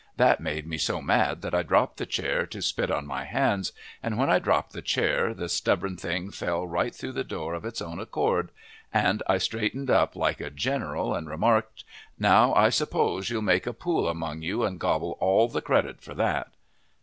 That made me so mad that I dropped the chair to spit on my hands, and when I dropped the chair the stubborn thing fell right through the door of its own accord, and I straightened up like a General, and remarked: "Now I suppose you'll make a pool among you and gobble all the credit for that!"